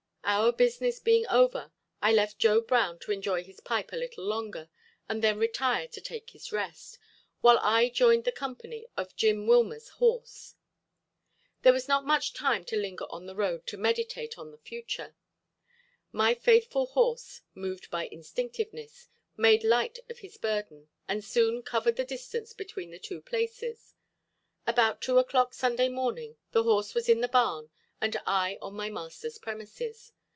Our business being over I left Joe Brown to enjoy his pipe a little longer and then retire to take his rest, while I joined the company of Jim Willmer's horse. There was not much time to linger on the road to meditate on the future. My faithful horse, moved by instinctiveness, made light of his burden and soon covered the distance between the two places. About two o'clock Sunday morning the horse was in the barn and I on my master's premises.